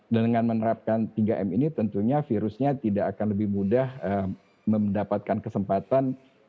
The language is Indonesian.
dengan menerapkan tiga m ini tentunya virusnya tidak akan lebih mudah mendapatkan kesempatan